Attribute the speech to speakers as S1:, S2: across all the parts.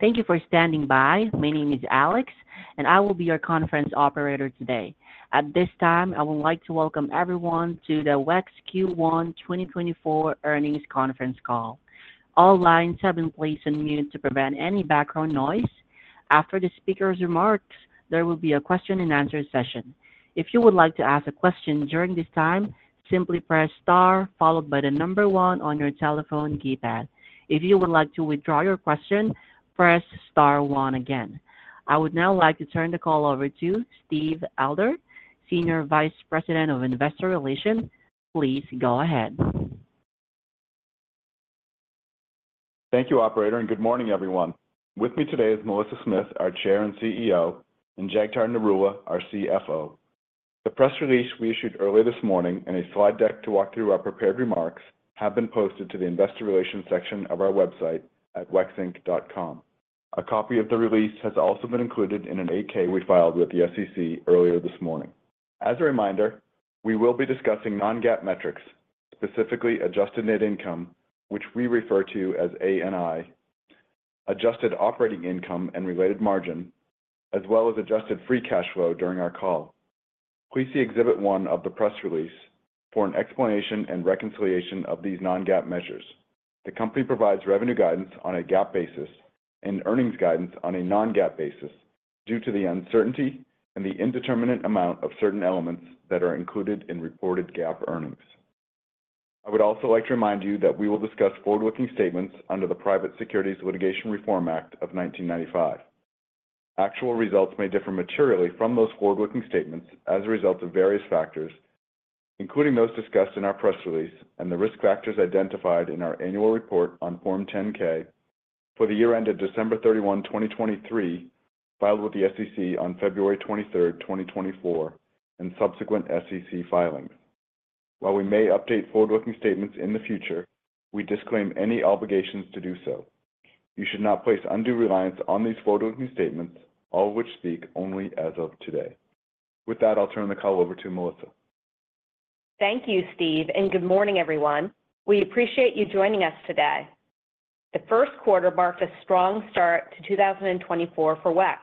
S1: Thank you for standing by. My name is Alex, and I will be your conference operator today. At this time, I would like to welcome everyone to the WEX Q1 2024 Earnings Conference Call. All lines have been placed on mute to prevent any background noise. After the speaker's remarks, there will be a question-and-answer session. If you would like to ask a question during this time, simply press star followed by the number one on your telephone keypad. If you would like to withdraw your question, press star one again. I would now like to turn the call over to Steve Elder, Senior Vice President of Investor Relations. Please go ahead.
S2: Thank you, operator, and good morning, everyone. With me today is Melissa Smith, our Chair and CEO, and Jagtar Narula, our CFO. The press release we issued earlier this morning and a slide deck to walk through our prepared remarks have been posted to the Investor Relations section of our website at wexinc.com. A copy of the release has also been included in an 8-K we filed with the SEC earlier this morning. As a reminder, we will be discussing non-GAAP metrics, specifically adjusted net income, which we refer to as ANI, adjusted operating income and related margin, as well as adjusted free cash flow during our call. Please see Exhibit 1 of the press release for an explanation and reconciliation of these non-GAAP measures. The company provides revenue guidance on a GAAP basis and earnings guidance on a non-GAAP basis due to the uncertainty and the indeterminate amount of certain elements that are included in reported GAAP earnings. I would also like to remind you that we will discuss forward-looking statements under the Private Securities Litigation Reform Act of 1995. Actual results may differ materially from those forward-looking statements as a result of various factors, including those discussed in our press release and the risk factors identified in our annual report on Form 10-K for the year ended December 31, 2023, filed with the SEC on February 23, 2024, and subsequent SEC filings. While we may update forward-looking statements in the future, we disclaim any obligations to do so. You should not place undue reliance on these forward-looking statements, all of which speak only as of today. With that, I'll turn the call over to Melissa.
S3: Thank you, Steve, and good morning, everyone. We appreciate you joining us today. The first quarter marked a strong start to 2024 for WEX.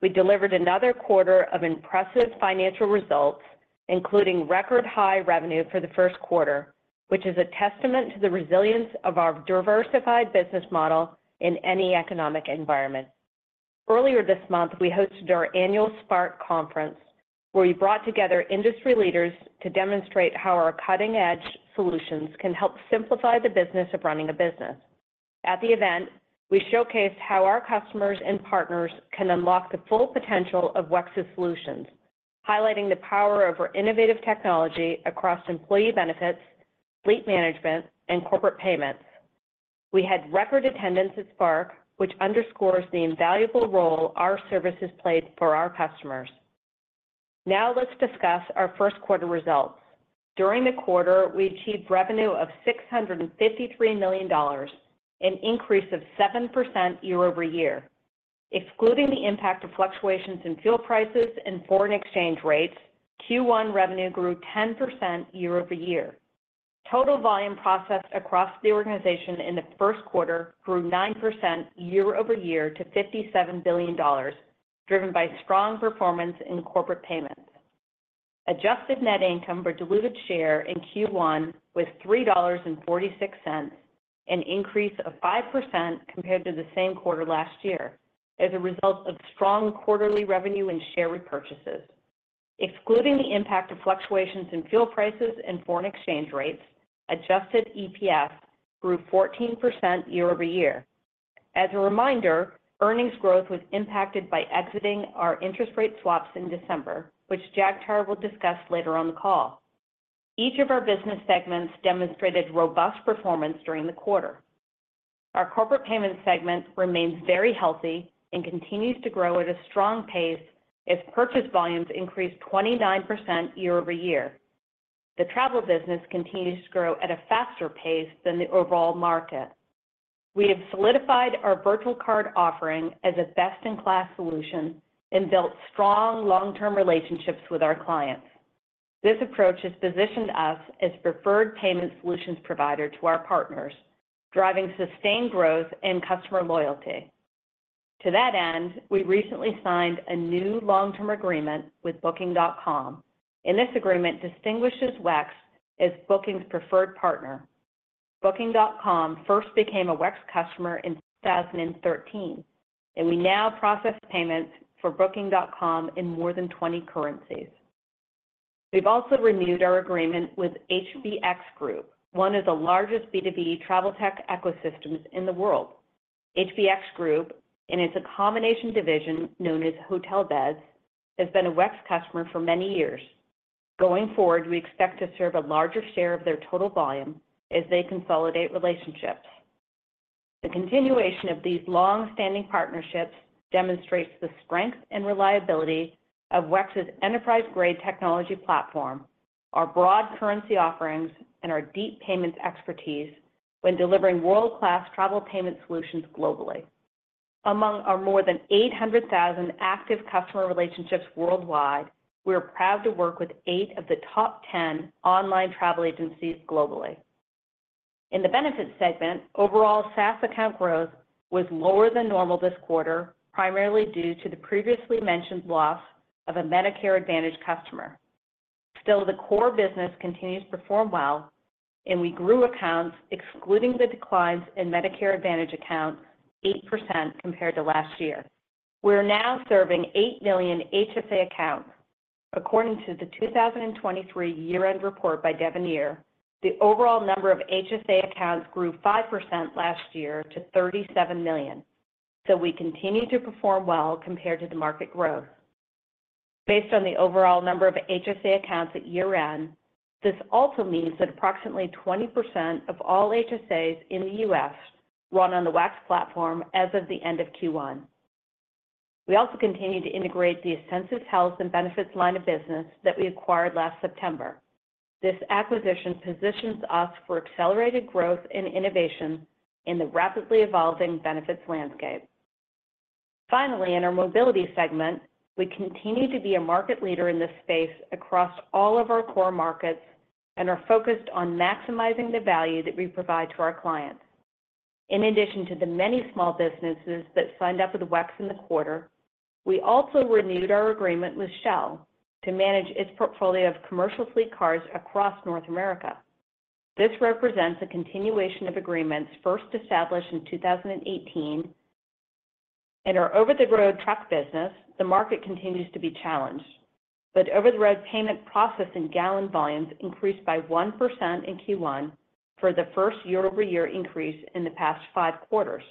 S3: We delivered another quarter of impressive financial results, including record-high revenue for the first quarter, which is a testament to the resilience of our diversified business model in any economic environment. Earlier this month, we hosted our annual Spark Conference, where we brought together industry leaders to demonstrate how our cutting-edge solutions can help simplify the business of running a business. At the event, we showcased how our customers and partners can unlock the full potential of WEX's solutions, highlighting the power of our innovative technology across employee benefits, fleet management, and corporate payments. We had record attendance at Spark, which underscores the invaluable role our services played for our customers. Now let's discuss our first quarter results. During the quarter, we achieved revenue of $653 million, an increase of 7% year-over-year. Excluding the impact of fluctuations in fuel prices and foreign exchange rates, Q1 revenue grew 10% year-over-year. Total volume processed across the organization in the first quarter grew 9% year-over-year to $57 billion, driven by strong performance in corporate payments. Adjusted net income per diluted share in Q1 was $3.46, an increase of 5% compared to the same quarter last year as a result of strong quarterly revenue and share repurchases. Excluding the impact of fluctuations in fuel prices and foreign exchange rates, adjusted EPS grew 14% year-over-year. As a reminder, earnings growth was impacted by exiting our interest rate swaps in December, which Jagtar will discuss later on the call. Each of our business segments demonstrated robust performance during the quarter. Our corporate payments segment remains very healthy and continues to grow at a strong pace as purchase volumes increase 29% year-over-year. The travel business continues to grow at a faster pace than the overall market. We have solidified our virtual card offering as a best-in-class solution and built strong long-term relationships with our clients. This approach has positioned us as preferred payment solutions provider to our partners, driving sustained growth and customer loyalty. To that end, we recently signed a new long-term agreement with Booking.com, and this agreement distinguishes WEX as Booking's preferred partner. Booking.com first became a WEX customer in 2013, and we now process payments for Booking.com in more than 20 currencies. We've also renewed our agreement with HBX Group, one of the largest B2B travel tech ecosystems in the world. HBX Group, and its accommodation division known as Hotelbeds, has been a WEX customer for many years. Going forward, we expect to serve a larger share of their total volume as they consolidate relationships. The continuation of these long-standing partnerships demonstrates the strength and reliability of WEX's enterprise-grade technology platform, our broad currency offerings, and our deep payments expertise when delivering world-class travel payment solutions globally. Among our more than 800,000 active customer relationships worldwide, we are proud to work with eight of the top ten online travel agencies globally. In the benefits segment, overall SaaS account growth was lower than normal this quarter, primarily due to the previously mentioned loss of a Medicare Advantage customer. Still, the core business continues to perform well, and we grew accounts, excluding the declines in Medicare Advantage accounts, 8% compared to last year. We are now serving 8 million HSA accounts. According to the 2023 year-end report by Devenir, the overall number of HSA accounts grew 5% last year to 37 million. So we continue to perform well compared to the market growth. Based on the overall number of HSA accounts at year-end, this also means that approximately 20% of all HSAs in the U.S. run on the WEX platform as of the end of Q1. We also continue to integrate the Ascensus Health and Benefits line of business that we acquired last September. This acquisition positions us for accelerated growth and innovation in the rapidly evolving benefits landscape. Finally, in our mobility segment, we continue to be a market leader in this space across all of our core markets and are focused on maximizing the value that we provide to our clients. In addition to the many small businesses that signed up with WEX in the quarter, we also renewed our agreement with Shell to manage its portfolio of commercial fleet cars across North America. This represents a continuation of agreements first established in 2018. In our over-the-road truck business, the market continues to be challenged, but over-the-road payment processing gallon volumes increased by 1% in Q1 for the first year-over-year increase in the past five quarters.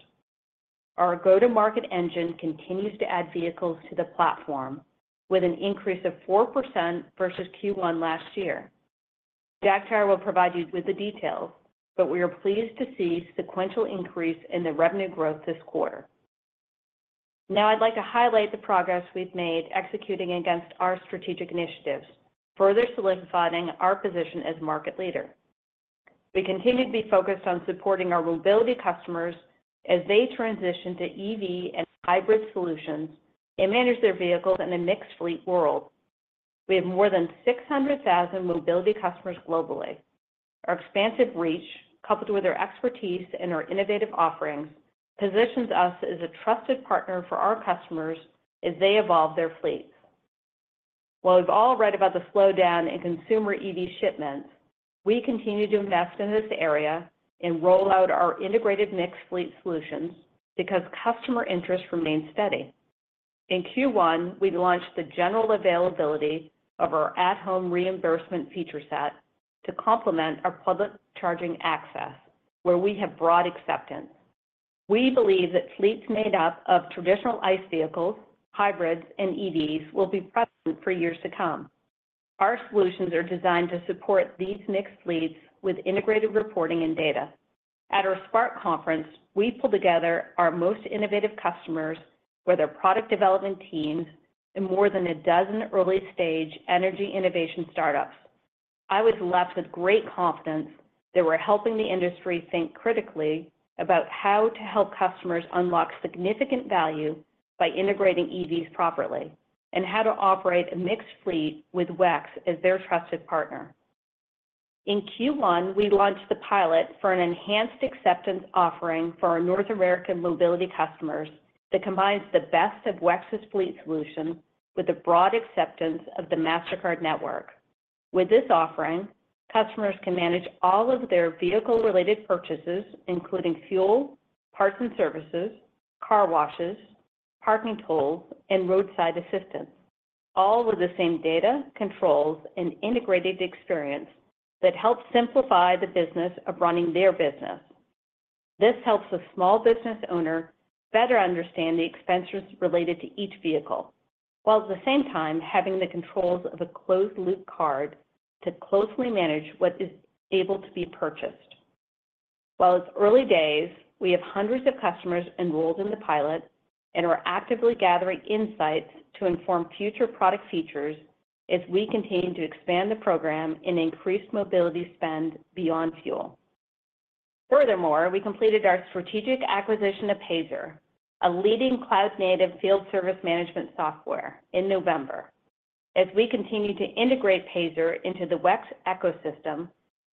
S3: Our go-to-market engine continues to add vehicles to the platform with an increase of 4% versus Q1 last year. Jagtar will provide you with the details, but we are pleased to see sequential increase in the revenue growth this quarter. Now I'd like to highlight the progress we've made executing against our strategic initiatives, further solidifying our position as market leader. We continue to be focused on supporting our mobility customers as they transition to EV and hybrid solutions and manage their vehicles in a mixed fleet world. We have more than 600,000 mobility customers globally. Our expansive reach, coupled with our expertise and our innovative offerings, positions us as a trusted partner for our customers as they evolve their fleets. While we've all read about the slowdown in consumer EV shipments, we continue to invest in this area and roll out our integrated mixed fleet solutions because customer interest remains steady. In Q1, we launched the general availability of our at-home reimbursement feature set to complement our public charging access, where we have broad acceptance. We believe that fleets made up of traditional ICE vehicles, hybrids, and EVs will be present for years to come. Our solutions are designed to support these mixed fleets with integrated reporting and data. At our Spark Conference, we pulled together our most innovative customers with their product development teams and more than a dozen early-stage energy innovation startups. I was left with great confidence that we're helping the industry think critically about how to help customers unlock significant value by integrating EVs properly and how to operate a mixed fleet with WEX as their trusted partner. In Q1, we launched the pilot for an enhanced acceptance offering for our North American mobility customers that combines the best of WEX's fleet solution with the broad acceptance of the Mastercard network. With this offering, customers can manage all of their vehicle-related purchases, including fuel, parts and services, car washes, parking tolls, and roadside assistance, all with the same data, controls, and integrated experience that helps simplify the business of running their business. This helps the small business owner better understand the expenses related to each vehicle, while at the same time having the controls of a closed-loop card to closely manage what is able to be purchased. While it's early days, we have hundreds of customers enrolled in the pilot and are actively gathering insights to inform future product features as we continue to expand the program and increase mobility spend beyond fuel. Furthermore, we completed our strategic acquisition of Payzer, a leading cloud-native field service management software, in November. As we continue to integrate Payzer into the WEX ecosystem,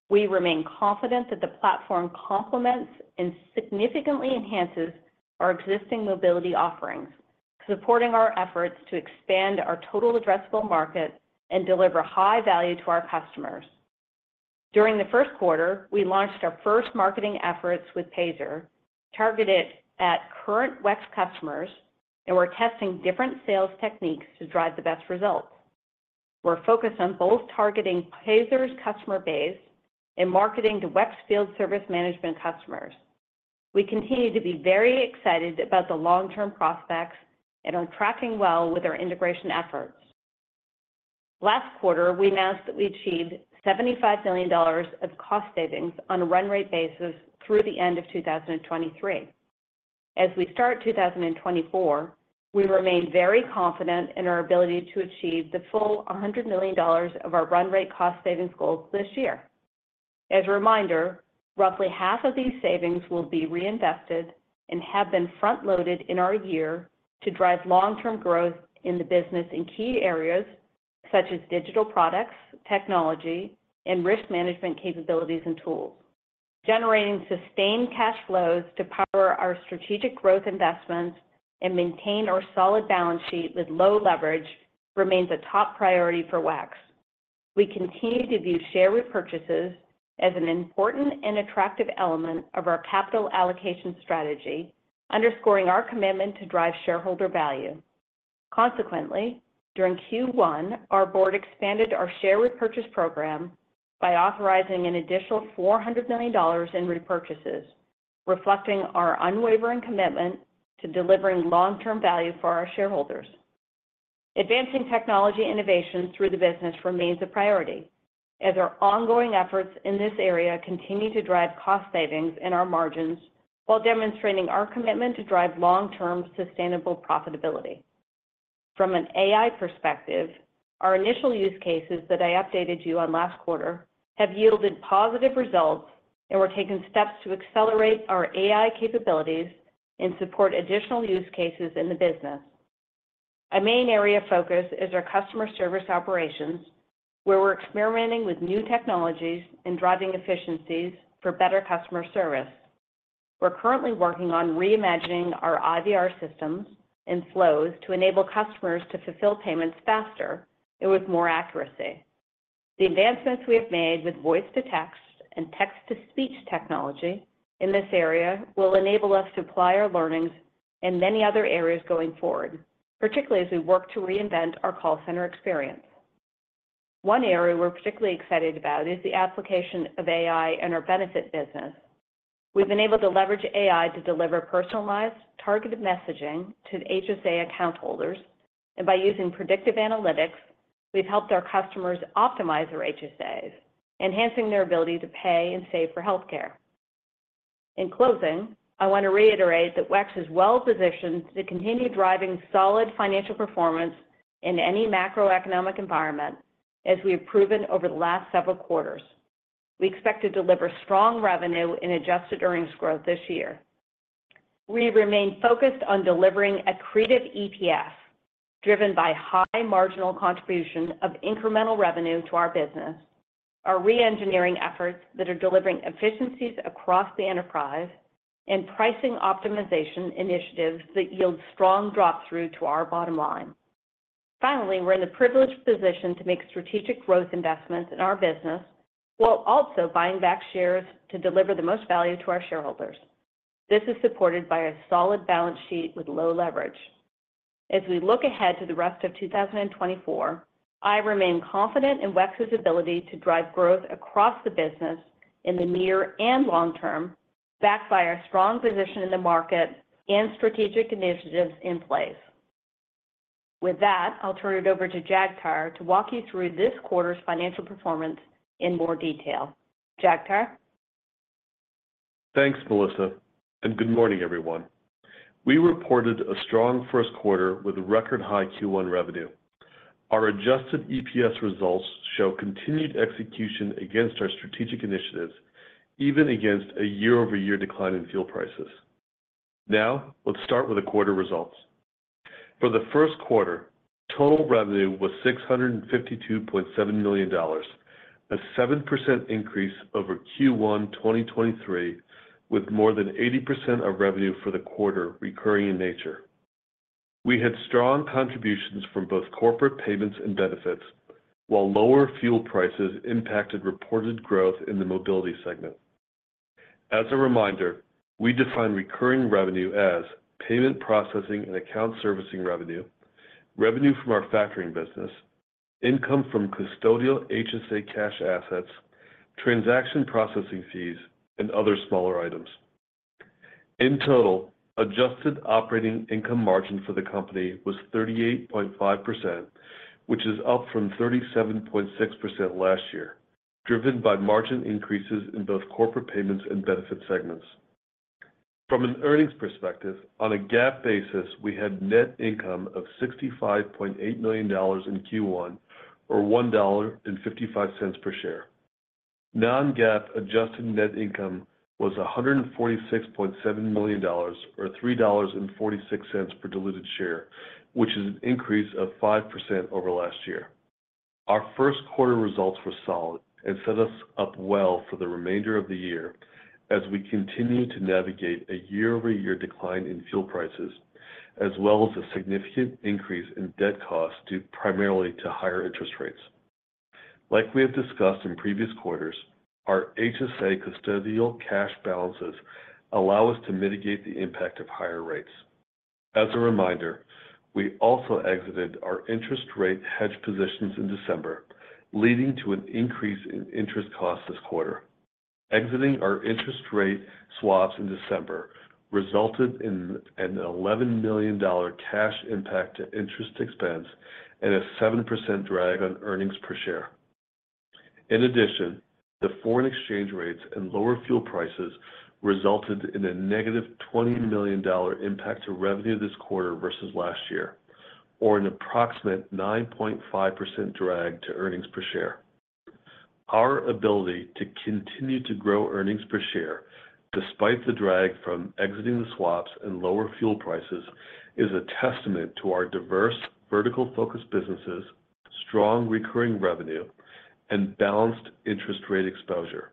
S3: we remain confident that the platform complements and significantly enhances our existing mobility offerings, supporting our efforts to expand our total addressable market and deliver high value to our customers. During the first quarter, we launched our first marketing efforts with Payzer, targeted at current WEX customers, and we're testing different sales techniques to drive the best results. We're focused on both targeting Payzer's customer base and marketing to WEX field service management customers. We continue to be very excited about the long-term prospects and are tracking well with our integration efforts. Last quarter, we announced that we achieved $75 million of cost savings on a run rate basis through the end of 2023. As we start 2024, we remain very confident in our ability to achieve the full $100 million of our run rate cost savings goals this year. As a reminder, roughly half of these savings will be reinvested and have been front-loaded in our year to drive long-term growth in the business in key areas, such as digital products, technology, and risk management capabilities and tools. Generating sustained cash flows to power our strategic growth investments and maintain our solid balance sheet with low leverage remains a top priority for WEX. We continue to view share repurchases as an important and attractive element of our capital allocation strategy, underscoring our commitment to drive shareholder value. Consequently, during Q1, our board expanded our share repurchase program by authorizing an additional $400 million in repurchases, reflecting our unwavering commitment to delivering long-term value for our shareholders. Advancing technology innovations through the business remains a priority, as our ongoing efforts in this area continue to drive cost savings in our margins, while demonstrating our commitment to drive long-term sustainable profitability. From an AI perspective, our initial use cases that I updated you on last quarter have yielded positive results, and we're taking steps to accelerate our AI capabilities and support additional use cases in the business. A main area of focus is our customer service operations, where we're experimenting with new technologies and driving efficiencies for better customer service. We're currently working on reimagining our IVR systems and flows to enable customers to fulfill payments faster and with more accuracy. The advancements we have made with voice-to-text and text-to-speech technology in this area will enable us to apply our learnings in many other areas going forward, particularly as we work to reinvent our call center experience. One area we're particularly excited about is the application of AI in our benefit business. We've been able to leverage AI to deliver personalized, targeted messaging to HSA account holders, and by using predictive analytics, we've helped our customers optimize their HSAs, enhancing their ability to pay and save for healthcare. In closing, I want to reiterate that WEX is well positioned to continue driving solid financial performance in any macroeconomic environment, as we have proven over the last several quarters. We expect to deliver strong revenue and adjusted earnings growth this year. We remain focused on delivering accretive EPS, driven by high marginal contribution of incremental revenue to our business, our reengineering efforts that are delivering efficiencies across the enterprise, and pricing optimization initiatives that yield strong drop-through to our bottom line. Finally, we're in the privileged position to make strategic growth investments in our business, while also buying back shares to deliver the most value to our shareholders. This is supported by a solid balance sheet with low leverage. As we look ahead to the rest of 2024, I remain confident in WEX's ability to drive growth across the business in the near and long term, backed by our strong position in the market and strategic initiatives in place. With that, I'll turn it over to Jagtar to walk you through this quarter's financial performance in more detail. Jagtar?
S4: Thanks, Melissa, and good morning, everyone. We reported a strong first quarter with a record high Q1 revenue. Our adjusted EPS results show continued execution against our strategic initiatives, even against a year-over-year decline in fuel prices. Now, let's start with the quarter results. For the first quarter, total revenue was $652.7 million, a 7% increase over Q1 2023, with more than 80% of revenue for the quarter recurring in nature. We had strong contributions from both Corporate Payments and Benefits, while lower fuel prices impacted reported growth in the Mobility segment. As a reminder, we define recurring revenue as payment processing and account servicing revenue, revenue from our factoring business, income from custodial HSA cash assets, transaction processing fees, and other smaller items. In total, adjusted operating income margin for the company was 38.5%, which is up from 37.6% last year, driven by margin increases in both corporate payments and benefit segments. From an earnings perspective, on a GAAP basis, we had net income of $65.8 million in Q1, or $1.55 per share. Non-GAAP adjusted net income was $146.7 million, or $3.46 per diluted share, which is an increase of 5% over last year. Our first quarter results were solid and set us up well for the remainder of the year as we continue to navigate a year-over-year decline in fuel prices, as well as a significant increase in debt costs, due primarily to higher interest rates. Like we have discussed in previous quarters, our HSA custodial cash balances allow us to mitigate the impact of higher rates. As a reminder, we also exited our interest rate hedge positions in December, leading to an increase in interest costs this quarter. Exiting our interest rate swaps in December resulted in a $11 million cash impact to interest expense and a 7% drag on earnings per share. In addition, the foreign exchange rates and lower fuel prices resulted in a negative $20 million impact to revenue this quarter versus last year, or an approximate 9.5% drag to earnings per share. Our ability to continue to grow earnings per share, despite the drag from exiting the swaps and lower fuel prices, is a testament to our diverse vertical-focused businesses, strong recurring revenue, and balanced interest rate exposure,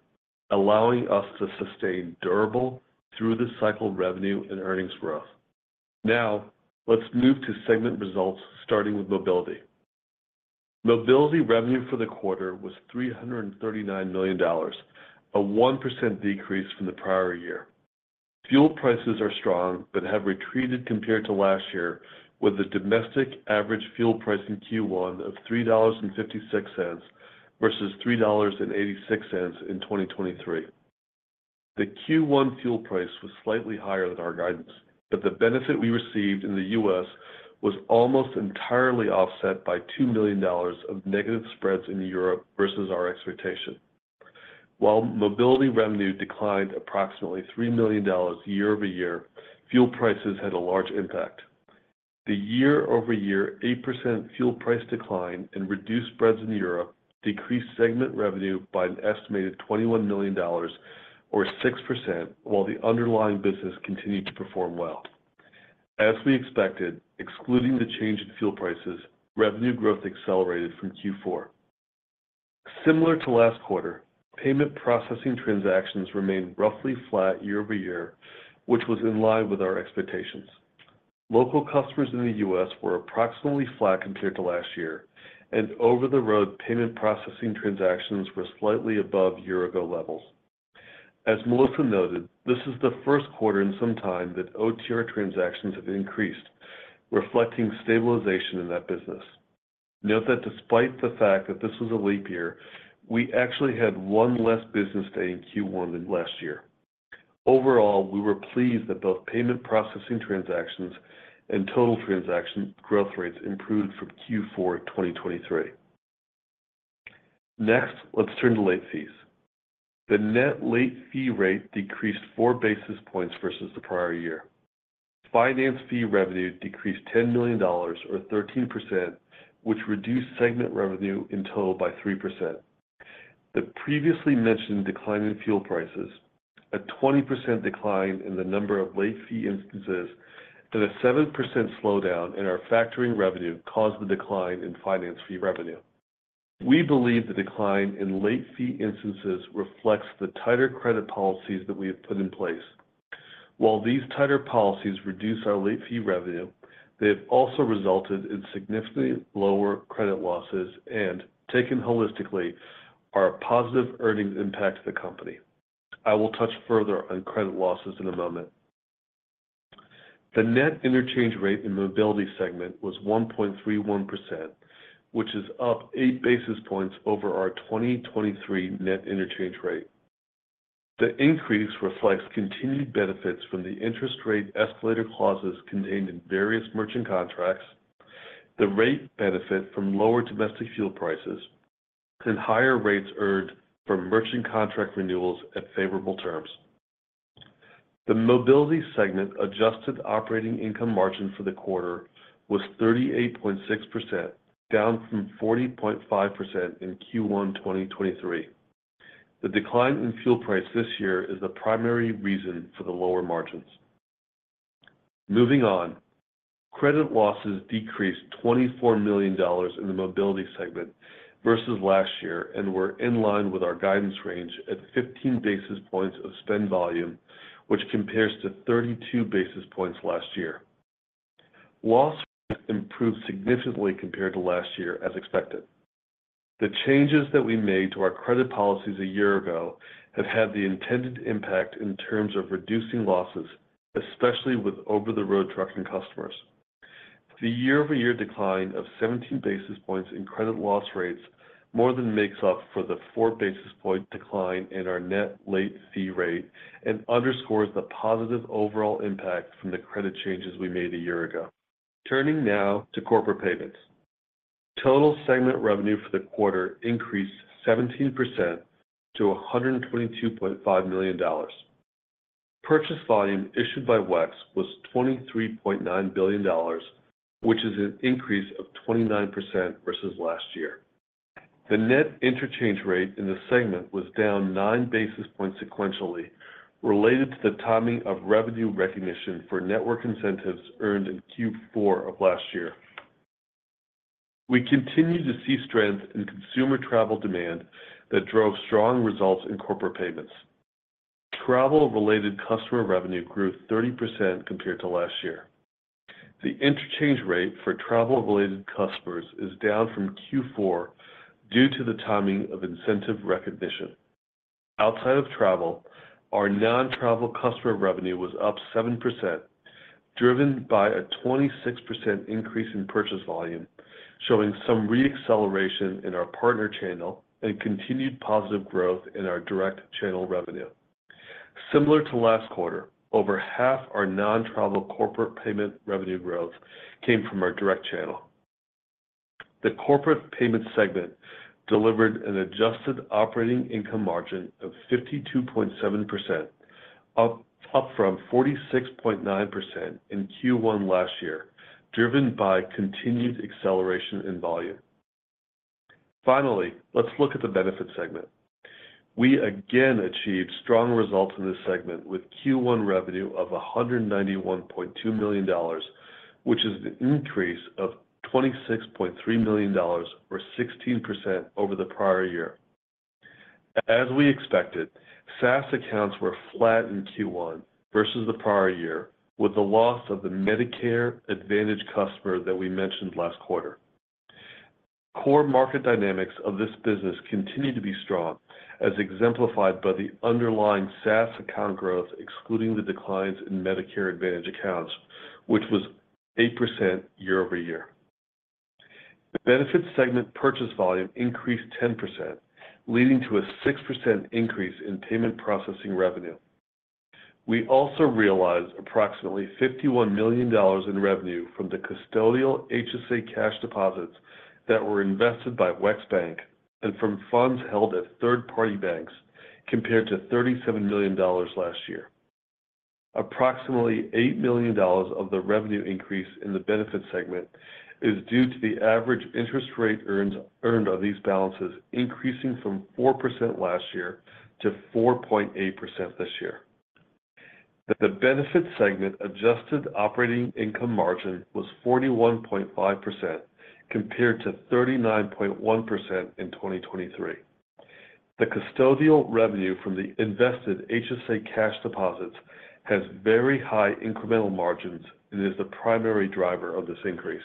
S4: allowing us to sustain durable through-the-cycle revenue and earnings growth. Now, let's move to segment results, starting with Mobility. Mobility revenue for the quarter was $339 million, a 1% decrease from the prior year. Fuel prices are strong, but have retreated compared to last year, with a domestic average fuel price in Q1 of $3.56 versus $3.86 in 2023. The Q1 fuel price was slightly higher than our guidance, but the benefit we received in the U.S. was almost entirely offset by $2 million of negative spreads in Europe versus our expectation. While Mobility revenue declined approximately $3 million year-over-year, fuel prices had a large impact. The year-over-year 8% fuel price decline and reduced spreads in Europe decreased segment revenue by an estimated $21 million or 6%, while the underlying business continued to perform well. As we expected, excluding the change in fuel prices, revenue growth accelerated from Q4. Similar to last quarter, payment processing transactions remained roughly flat year-over-year, which was in line with our expectations. Local customers in the U.S. were approximately flat compared to last year, and over-the-road payment processing transactions were slightly above year-ago levels. As Melissa noted, this is the first quarter in some time that OTR transactions have increased, reflecting stabilization in that business. Note that despite the fact that this was a leap year, we actually had one less business day in Q1 than last year. Overall, we were pleased that both payment processing transactions and total transaction growth rates improved from Q4 2023. Next, let's turn to late fees. The net late fee rate decreased 4 basis points versus the prior year. Finance fee revenue decreased $10 million or 13%, which reduced segment revenue in total by 3%. The previously mentioned decline in fuel prices, a 20% decline in the number of late fee instances, and a 7% slowdown in our factoring revenue caused the decline in finance fee revenue. We believe the decline in late fee instances reflects the tighter credit policies that we have put in place. While these tighter policies reduce our late fee revenue, they have also resulted in significantly lower credit losses and, taken holistically, are a positive earnings impact to the company. I will touch further on credit losses in a moment. The net interchange rate in Mobility segment was 1.31%, which is up 8 basis points over our 2023 net interchange rate. The increase reflects continued benefits from the interest rate escalator clauses contained in various merchant contracts, the rate benefit from lower domestic fuel prices, and higher rates earned from merchant contract renewals at favorable terms. The Mobility segment adjusted operating income margin for the quarter was 38.6%, down from 40.5% in Q1 2023. The decline in fuel price this year is the primary reason for the lower margins. Moving on, credit losses decreased $24 million in the Mobility segment versus last year and were in line with our guidance range at 15 basis points of spend volume, which compares to 32 basis points last year. Loss improved significantly compared to last year, as expected. The changes that we made to our credit policies a year ago have had the intended impact in terms of reducing losses, especially with over-the-road trucking customers. The year-over-year decline of 17 basis points in credit loss rates more than makes up for the 4 basis point decline in our net late fee rate and underscores the positive overall impact from the credit changes we made a year ago. Turning now to Corporate Payments. Total segment revenue for the quarter increased 17% to $122.5 million. Purchase volume issued by WEX was $23.9 billion, which is an increase of 29% versus last year. The net interchange rate in the segment was down 9 basis points sequentially, related to the timing of revenue recognition for network incentives earned in Q4 of last year. We continue to see strength in consumer travel demand that drove strong results in Corporate Payments. Travel-related customer revenue grew 30% compared to last year. The interchange rate for travel-related customers is down from Q4 due to the timing of incentive recognition. Outside of travel, our non-travel customer revenue was up 7%, driven by a 26% increase in purchase volume, showing some re-acceleration in our partner channel and continued positive growth in our direct channel revenue. Similar to last quarter, over half our non-travel Corporate Payments revenue growth came from our direct channel. The Corporate Payments segment delivered an Adjusted Operating Income margin of 52.7%, up from 46.9% in Q1 last year, driven by continued acceleration in volume. Finally, let's look at the Benefits segment. We again achieved strong results in this segment, with Q1 revenue of $191.2 million, which is an increase of $26.3 million or 16% over the prior year. As we expected, SaaS accounts were flat in Q1 versus the prior year, with the loss of the Medicare Advantage customer that we mentioned last quarter. Core market dynamics of this business continue to be strong, as exemplified by the underlying SaaS account growth, excluding the declines in Medicare Advantage accounts, which was 8% year-over-year. The benefit segment purchase volume increased 10%, leading to a 6% increase in payment processing revenue. We also realized approximately $51 million in revenue from the custodial HSA cash deposits that were invested by WEX Bank and from funds held at third-party banks, compared to $37 million last year. Approximately $8 million of the revenue increase in the benefit segment is due to the average interest rate earned on these balances increasing from 4% last year to 4.8% this year. The benefit segment adjusted operating income margin was 41.5%, compared to 39.1% in 2023. The custodial revenue from the invested HSA cash deposits has very high incremental margins and is the primary driver of this increase.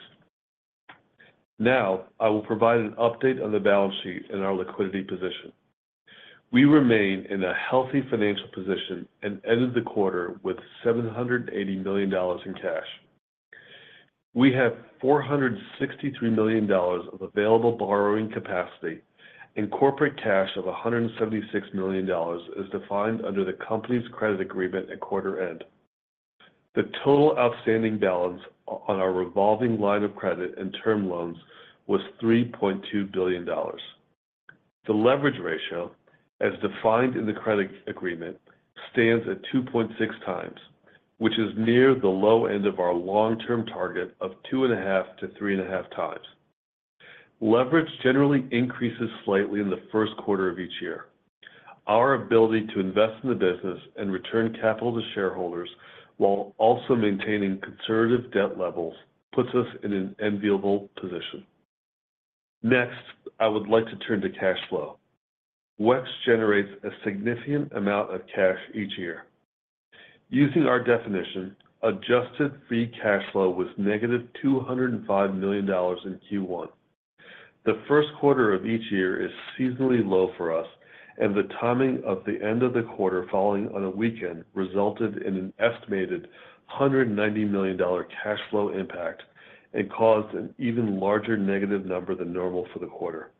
S4: Now, I will provide an update on the balance sheet and our liquidity position. We remain in a healthy financial position and ended the quarter with $780 million in cash. We have $463 million of available borrowing capacity and corporate cash of $176 million, as defined under the company's credit agreement at quarter end. The total outstanding balance on our revolving line of credit and term loans was $3.2 billion. The leverage ratio, as defined in the credit agreement, stands at 2.6x, which is near the low end of our long-term target of 2.5x-3.5x. Leverage generally increases slightly in the first quarter of each year. Our ability to invest in the business and return capital to shareholders, while also maintaining conservative debt levels, puts us in an enviable position. Next, I would like to turn to cash flow. WEX generates a significant amount of cash each year. Using our definition, adjusted free cash flow was -$205 million in Q1. The first quarter of each year is seasonally low for us, and the timing of the end of the quarter falling on a weekend resulted in an estimated $190 million cash flow impact and caused an even larger negative number than normal for the quarter.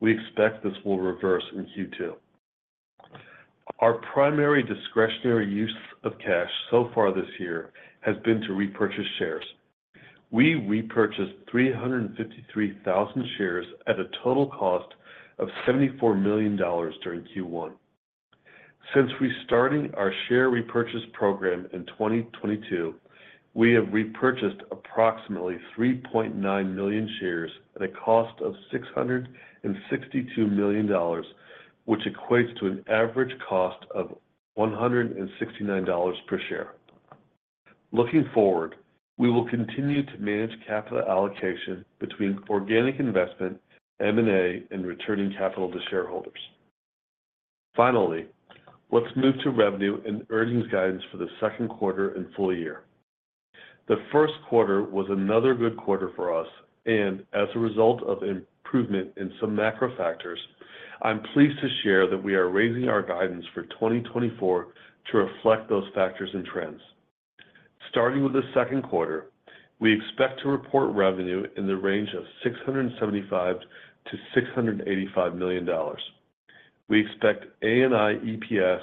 S4: We expect this will reverse in Q2. Our primary discretionary use of cash so far this year has been to repurchase shares. We repurchased 353,000 shares at a total cost of $74 million during Q1. Since restarting our share repurchase program in 2022, we have repurchased approximately 3.9 million shares at a cost of $662 million, which equates to an average cost of $169 per share. Looking forward, we will continue to manage capital allocation between organic investment, M&A, and returning capital to shareholders. Finally, let's move to revenue and earnings guidance for the second quarter and full year. The first quarter was another good quarter for us, and as a result of improvement in some macro factors, I'm pleased to share that we are raising our guidance for 2024 to reflect those factors and trends. Starting with the second quarter, we expect to report revenue in the range of $675 million-$685 million. We expect ANI EPS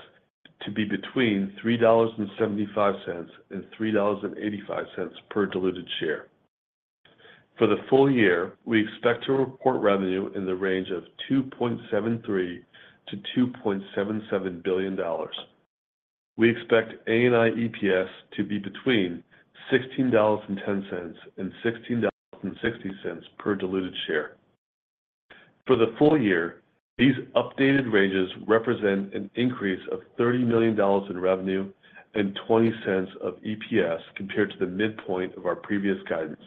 S4: to be between $3.75 and $3.85 per diluted share. For the full year, we expect to report revenue in the range of $2.73 billion-$2.77 billion. We expect ANI EPS to be between $16.10 and $16.60 per diluted share. For the full year, these updated ranges represent an increase of $30 million in revenue and $0.20 of EPS compared to the midpoint of our previous guidance.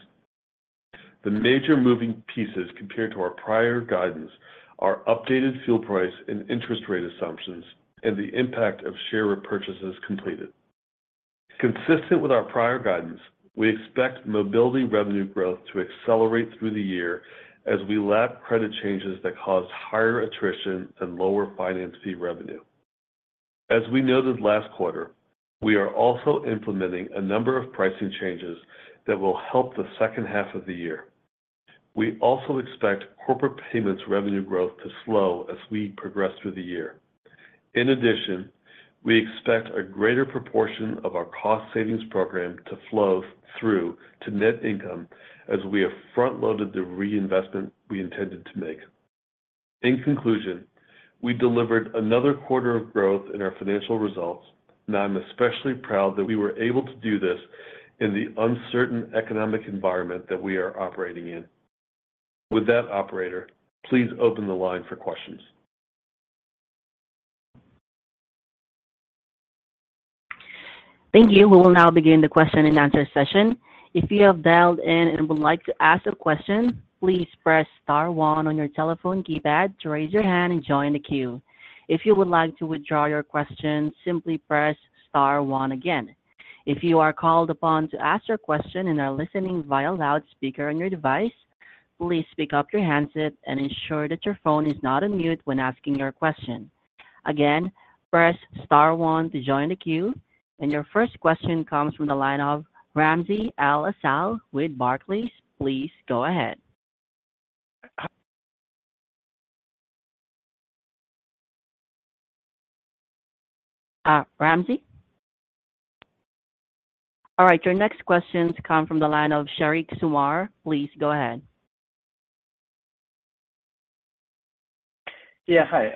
S4: The major moving pieces compared to our prior guidance are updated fuel price and interest rate assumptions and the impact of share repurchases completed. Consistent with our prior guidance, we expect mobility revenue growth to accelerate through the year as we lap credit changes that caused higher attrition and lower finance fee revenue. As we noted last quarter, we are also implementing a number of pricing changes that will help the second half of the year. We also expect corporate payments revenue growth to slow as we progress through the year. In addition, we expect a greater proportion of our cost savings program to flow through to net income as we have front-loaded the reinvestment we intended to make. In conclusion, we delivered another quarter of growth in our financial results, and I'm especially proud that we were able to do this in the uncertain economic environment that we are operating in. With that, operator, please open the line for questions.
S1: Thank you. We will now begin the question-and-answer session. If you have dialed in and would like to ask a question, please press star one on your telephone keypad to raise your hand and join the queue. If you would like to withdraw your question, simply press star one again. If you are called upon to ask your question and are listening via loudspeaker on your device, please pick up your handset and ensure that your phone is not on mute when asking your question. Again, press star one to join the queue. Your first question comes from the line of Ramsey El-Assal with Barclays. Please go ahead. Ramsey? All right, your next question come from the line of Sheriq Sumar. Please go ahead.
S5: Yeah, hi,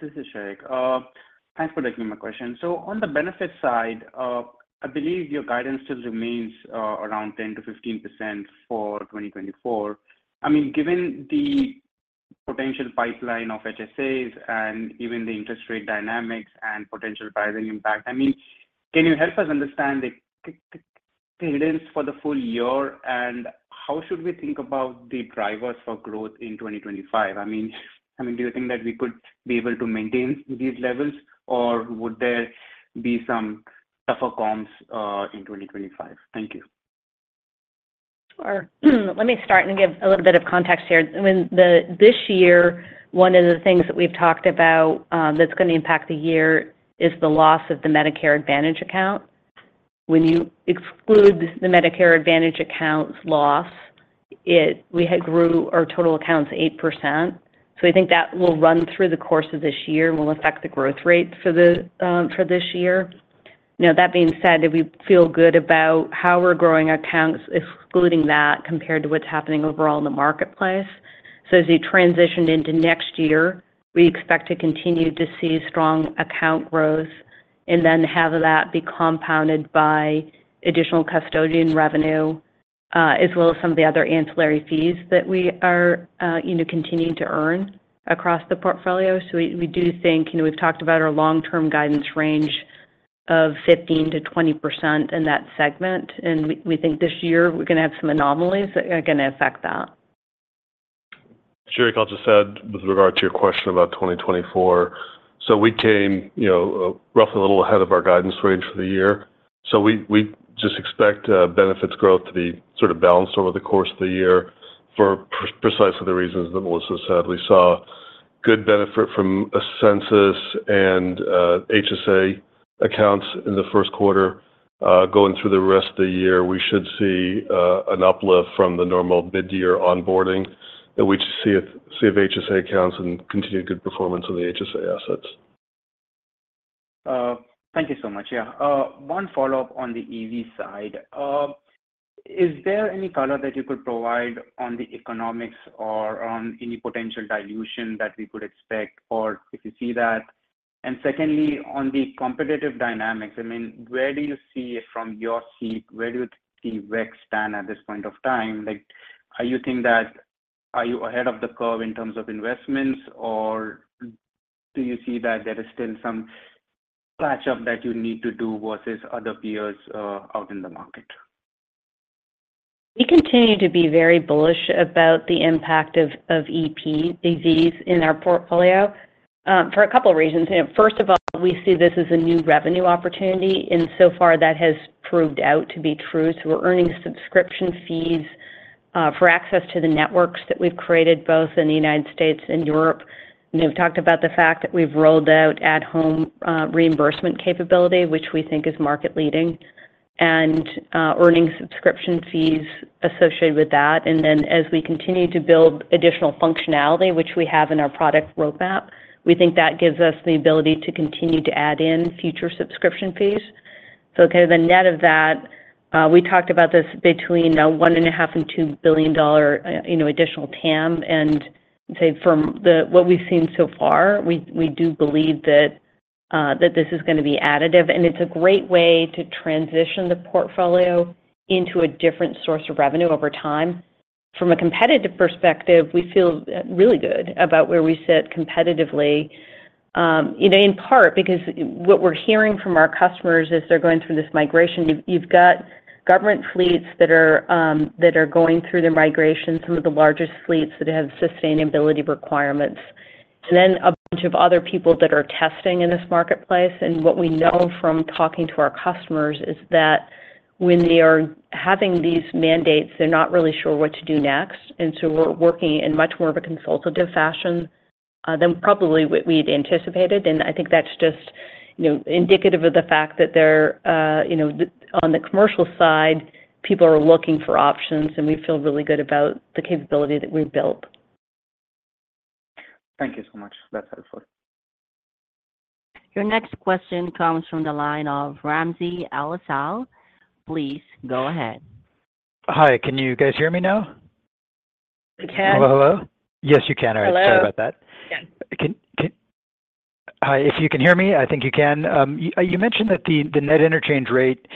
S5: this is Sheriq. Thanks for taking my question. So on the benefit side, I believe your guidance still remains around 10%-15% for 2024. I mean, given the potential pipeline of HSAs and even the interest rate dynamics and potential pricing impact, I mean, can you help us understand the tendency for the full year, and how should we think about the drivers for growth in 2025? I mean, I mean, do you think that we could be able to maintain these levels, or would there be some tougher comps in 2025? Thank you.
S3: Sure. Let me start and give a little bit of context here. I mean, this year, one of the things that we've talked about that's going to impact the year is the loss of the Medicare Advantage account. When you exclude the Medicare Advantage accounts loss, it—we had grew our total accounts 8%. So I think that will run through the course of this year and will affect the growth rate for this year. Now, that being said, we feel good about how we're growing our accounts, excluding that, compared to what's happening overall in the marketplace. So as you transition into next year, we expect to continue to see strong account growth and then have that be compounded by additional custodial revenue, as well as some of the other ancillary fees that we are, you know, continuing to earn across the portfolio. So we do think, you know, we've talked about our long-term guidance range of 15%-20% in that segment, and we think this year we're going to have some anomalies that are going to affect that.
S4: Shariq, I'll just add with regard to your question about 2024. So we came, you know, roughly a little ahead of our guidance range for the year. So we just expect benefits growth to be sort of balanced over the course of the year for precisely the reasons that Melissa said. We saw good benefit from Ascensus and HSA accounts in the first quarter. Going through the rest of the year, we should see an uplift from the normal mid-year onboarding, and we just see growth of HSA accounts and continued good performance on the HSA assets.
S5: Thank you so much. Yeah. One follow-up on the EV side. Is there any color that you could provide on the economics or on any potential dilution that we could expect or if you see that? And secondly, on the competitive dynamics, I mean, where do you see it from your seat? Where do you see WEX stand at this point of time? Like, are you ahead of the curve in terms of investments, or do you see that there is still some catch-up that you need to do versus other peers out in the market?
S3: We continue to be very bullish about the impact of EVs in our portfolio, for a couple of reasons. First of all, we see this as a new revenue opportunity, and so far that has proved out to be true. So we're earning subscription fees for access to the networks that we've created, both in the United States and Europe. And we've talked about the fact that we've rolled out at-home reimbursement capability, which we think is market-leading, and earning subscription fees associated with that. And then as we continue to build additional functionality, which we have in our product roadmap, we think that gives us the ability to continue to add in future subscription fees. So the net of that, we talked about this between $1.5 billion and $2 billion additional TAM, and, say, from what we've seen so far, we do believe that this is going to be additive, and it's a great way to transition the portfolio into a different source of revenue over time. From a competitive perspective, we feel really good about where we sit competitively, you know, in part because what we're hearing from our customers as they're going through this migration, you've got government fleets that are going through the migration, some of the largest fleets that have sustainability requirements, and then a bunch of other people that are testing in this marketplace. What we know from talking to our customers is that when they are having these mandates, they're not really sure what to do next, and so we're working in much more of a consultative fashion than probably what we'd anticipated. And I think that's just, you know, indicative of the fact that there, you know, on the commercial side, people are looking for options, and we feel really good about the capability that we've built.
S5: Thank you so much. That's helpful.
S1: Your next question comes from the line of Ramsey El-Assal. Please go ahead.
S6: Hi, can you guys hear me now?
S3: We can.
S6: Hello, hello? Yes, you can.
S3: Hello.
S6: All right, sorry about that. Hi, if you can hear me, I think you can. You mentioned that the net interchange rate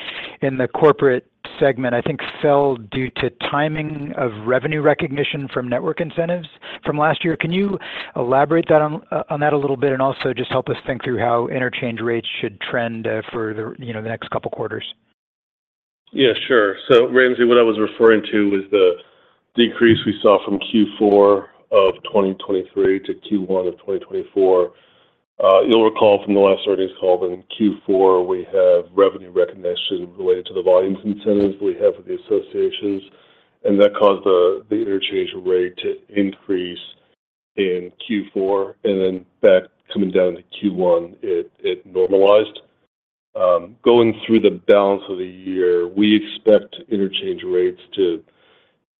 S6: in the corporate segment, I think, fell due to timing of revenue recognition from network incentives from last year. Can you elaborate on that a little bit? And also just help us think through how interchange rates should trend, you know, for the next couple quarters.
S4: Yeah, sure. So Ramsey, what I was referring to was the decrease we saw from Q4 of 2023 to Q1 of 2024. You'll recall from the last earnings call that in Q4, we have revenue recognition related to the volumes incentives we have with the associations, and that caused the interchange rate to increase in Q4, and then that coming down to Q1, it normalized. Going through the balance of the year, we expect interchange rates to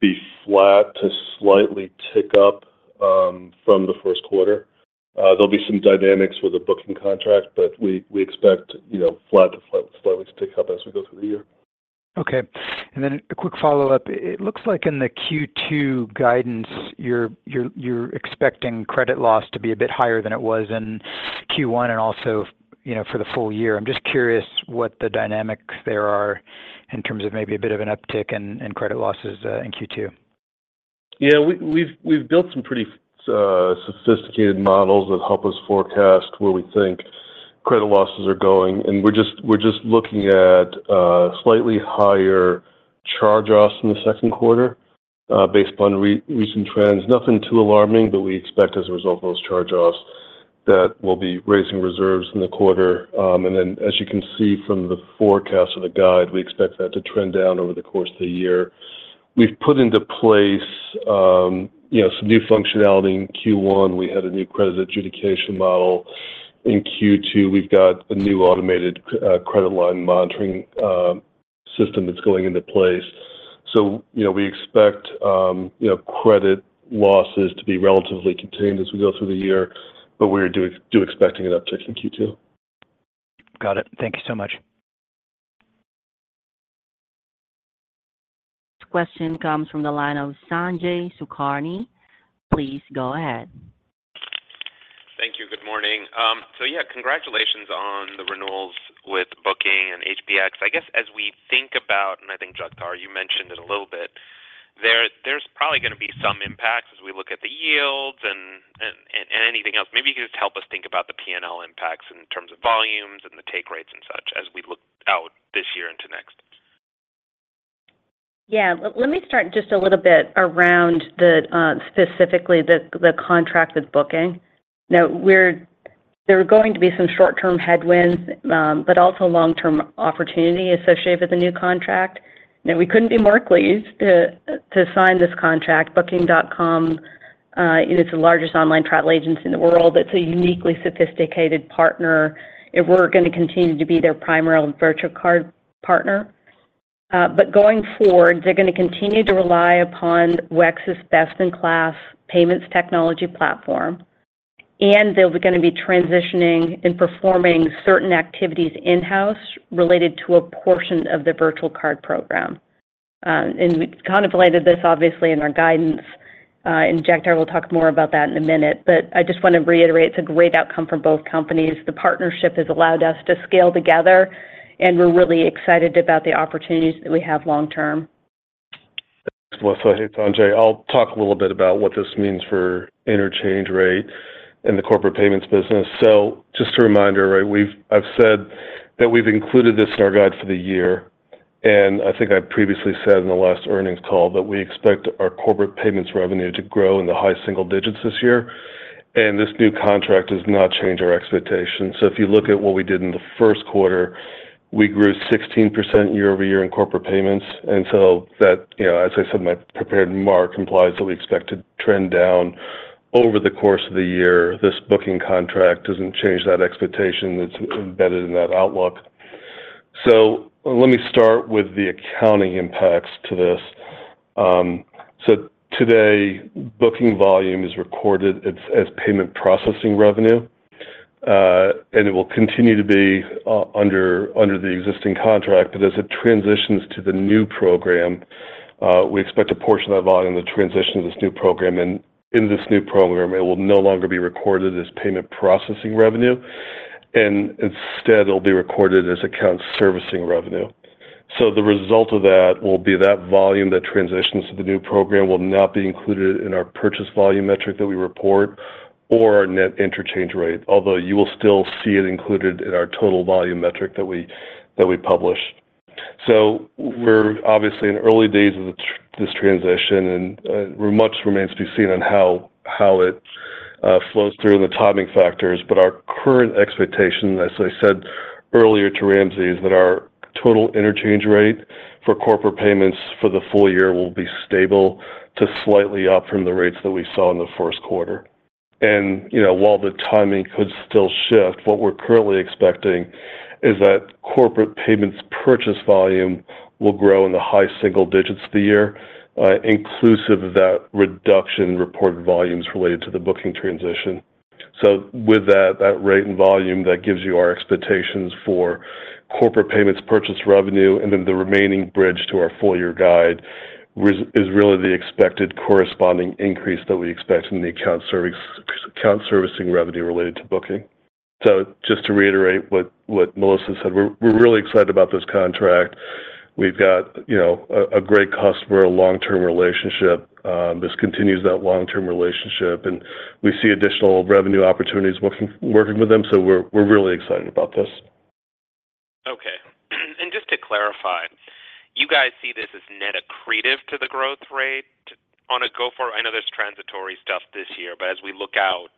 S4: be flat, to slightly tick up, from the first quarter. There'll be some dynamics with the Booking contract, but we expect, you know, flat to slightly tick up as we go through the year.
S6: Okay. And then a quick follow-up. It looks like in the Q2 guidance, you're expecting credit loss to be a bit higher than it was in Q1 and also, you know, for the full year. I'm just curious what the dynamics there are in terms of maybe a bit of an uptick in credit losses in Q2.
S4: Yeah, we've built some pretty sophisticated models that help us forecast where we think credit losses are going, and we're just looking at slightly higher charge-offs in the second quarter, based upon recent trends. Nothing too alarming, but we expect as a result of those charge-offs, that we'll be raising reserves in the quarter. And then, as you can see from the forecast or the guide, we expect that to trend down over the course of the year. We've put into place, you know, some new functionality in Q1. We had a new credit adjudication model. In Q2, we've got a new automated credit line monitoring system that's going into place. So, you know, we expect, you know, credit losses to be relatively contained as we go through the year, but we're expecting an uptick in Q2.
S6: Got it. Thank you so much.
S1: Question comes from the line of Sanjay Sakhrani. Please go ahead.
S7: Thank you. Good morning. So yeah, congratulations on the renewals with Booking and HBX. I guess, as we think about, and I think, Jagtar, you mentioned it a little bit, there, there's probably gonna be some impacts as we look at the yields and, and, and anything else. Maybe you can just help us think about the PNL impacts in terms of volumes and the take rates and such as we look out this year into next.
S3: Yeah. Let me start just a little bit around the specifically the contract with Booking.com. Now, there are going to be some short-term headwinds, but also long-term opportunity associated with the new contract. Now, we couldn't be more pleased to sign this contract. Booking.com, it is the largest online travel agency in the world. It's a uniquely sophisticated partner, and we're gonna continue to be their primary virtual card partner. But going forward, they're gonna continue to rely upon WEX's best-in-class payments technology platform, and they're gonna be transitioning and performing certain activities in-house related to a portion of their virtual card program. And we've kind of landed this, obviously, in our guidance, and Jagtar will talk more about that in a minute, but I just want to reiterate, it's a great outcome for both companies. The partnership has allowed us to scale together, and we're really excited about the opportunities that we have long-term.
S4: Thanks, Melissa. Hey, Sanjay. I'll talk a little bit about what this means for interchange rate in the corporate payments business. So just a reminder, right, I've said that we've included this in our guide for the year, and I think I previously said in the last earnings call that we expect our corporate payments revenue to grow in the high single digits this year, and this new contract has not changed our expectations. So if you look at what we did in the first quarter, we grew 16% year-over-year in corporate payments, and as I said, my prepared mark implies that we expect to trend down over the course of the year. This Booking contract doesn't change that expectation that's embedded in that outlook. So let me start with the accounting impacts to this. So today, booking volume is recorded as payment processing revenue, and it will continue to be under the existing contract. But as it transitions to the new program, we expect a portion of that volume to transition to this new program, and in this new program, it will no longer be recorded as payment processing revenue, and instead, it'll be recorded as account servicing revenue. So the result of that will be that volume that transitions to the new program will not be included in our purchase volume metric that we report or our net interchange rate, although you will still see it included in our total volume metric that we publish. So we're obviously in early days of this transition, and much remains to be seen on how it flows through and the timing factors. But our current expectation, as I said earlier to Ramsey, is that our total interchange rate for corporate payments for the full year will be stable to slightly up from the rates that we saw in the first quarter. And, you know, while the timing could still shift, what we're currently expecting is that corporate payments purchase volume will grow in the high single digits of the year, inclusive of that reduction in reported volumes related to the Booking transition. So with that, that rate and volume, that gives you our expectations for corporate payments, purchase revenue, and then the remaining bridge to our full-year guide is really the expected corresponding increase that we expect in the account service, account servicing revenue related to Booking. So just to reiterate what Melissa said we're really excited about this contract. We've got, you know, a great customer, a long-term relationship. This continues that long-term relationship, and we see additional revenue opportunities working with them, so we're really excited about this.
S7: Okay. And just to clarify, you guys see this as net accretive to the growth rate on a go-forward. I know there's transitory stuff this year, but as we look out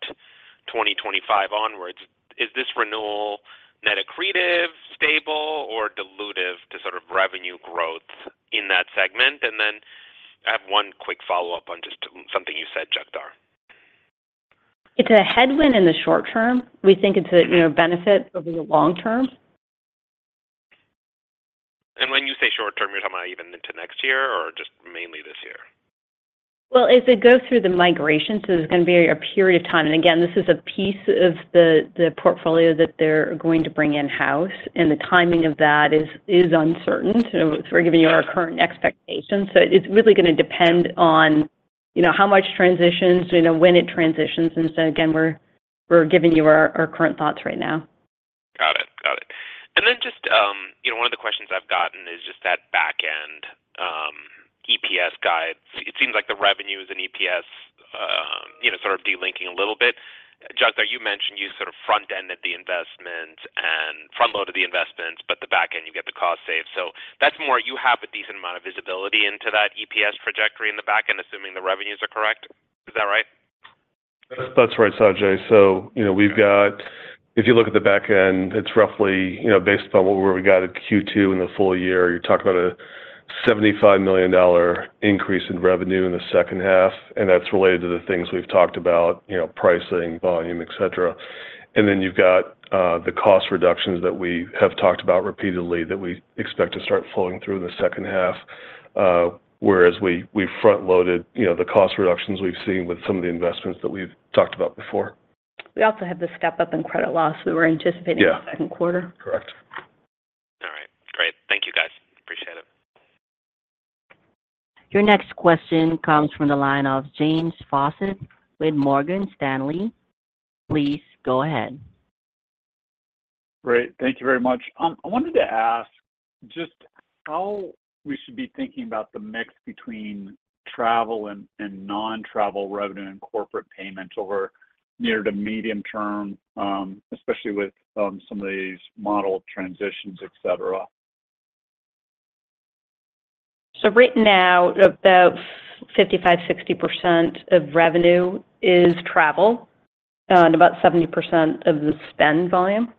S7: 2025 onwards, is this renewal net accretive, stable, or dilutive to sort of revenue growth in that segment? And then I have one quick follow-up on just something you said, Jagtar. It's a headwind in the short term. We think it's a, you know, benefit over the long term. When you say short term, you're talking about even into next year or just mainly this year?
S3: Well, as it goes through the migration, so there's gonna be a period of time. And again, this is a piece of the portfolio that they're going to bring in-house, and the timing of that is uncertain. So we're giving you our current expectations. So it's really gonna depend on, you know, how much transitions, you know, when it transitions. And so again, we're giving you our current thoughts right now.
S7: Got it. And then just, you know, one of the questions I've gotten is just that back-end, EPS guide. It seems like the revenues and EPS, you know, sort of delinking a little bit. Jagtar, you mentioned you sort of front-ended the investment and front-loaded the investment, but the back end, you get the cost save. So that's more you have a decent amount of visibility into that EPS trajectory in the back end, assuming the revenues are correct. Is that right?
S4: That's right, Sanjay. So, you know, we've got, if you look at the back end, it's roughly, you know, based upon where we got at Q2 in the full year, you're talking about a $75 million increase in revenue in the second half, and that's related to the things we've talked about, you know, pricing, volume, et cetera. Then you've got the cost reductions that we have talked about repeatedly that we expect to start flowing through in the second half, whereas we front-loaded, you know, the cost reductions we've seen with some of the investments that we've talked about before.
S3: We also have the step-up in credit loss we were anticipating in the second quarter.
S4: Correct.
S7: All right. Great. Thank you, guys. Appreciate it.
S1: Your next question comes from the line of James Faucette with Morgan Stanley. Please go ahead.
S8: Great. Thank you very much. I wanted to ask just how we should be thinking about the mix between travel and non-travel revenue and corporate payments over near to medium term, especially with some of these model transitions, et cetera?
S3: So right now, about 55-60% of revenue is travel, and about 70% of the spend volume,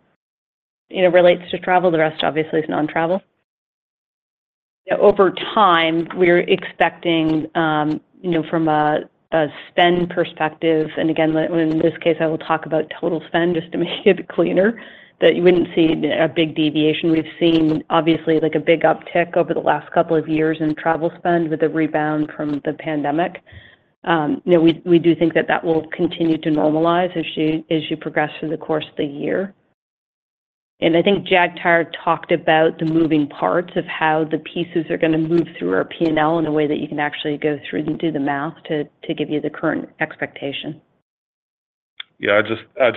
S3: you know, relates to travel. The rest, obviously, is non-travel. Over time, we're expecting, you know, from a spend perspective, and again, in this case, I will talk about total spend just to make it cleaner, that you wouldn't see a big deviation. We've seen like, a big uptick over the last couple of years in travel spend with the rebound from the pandemic. You know, we do think that that will continue to normalize as you progress through the course of the year. And I think Jagtar talked about the moving parts of how the pieces are gonna move through our P&L in a way that you can actually go through, do the math to give you the current expectation.
S4: I'll just add,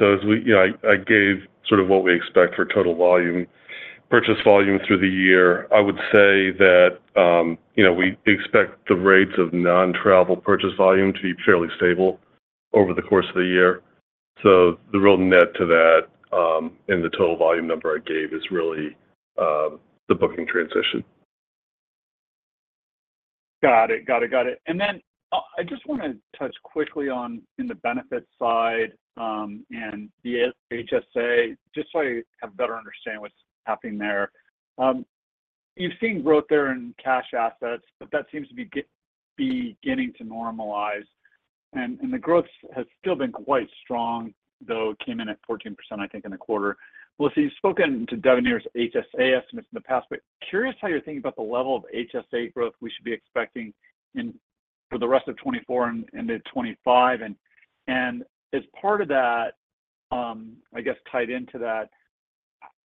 S4: I gave sort of what we expect for total volume, purchase volume through the year. I would say that, you know, we expect the rates of non-travel purchase volume to be fairly stable over the course of the year. So the real net to that, and the total volume number I gave is really, the Booking transition.
S8: Got it. Got it, got it. And then, I just wanna touch quickly on in the benefit side, and the HSA, just so I have a better understanding what's happening there. You've seen growth there in cash assets, but that seems to be beginning to normalize, and the growth has still been quite strong, though it came in at 14%, I think, in the quarter. Melissa, you've spoken to Devenir's HSA estimates in the past, but curious how you're thinking about the level of HSA growth we should be expecting in for the rest of 2024 and into 2025. And, as part of that, I guess, tied into that,